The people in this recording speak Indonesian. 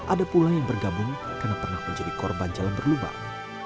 ada pula yang bergabung karena pernah menjadi korban jalan berlubang